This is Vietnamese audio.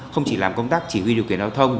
không chỉ làm công tác chỉ huy điều kiện giao thông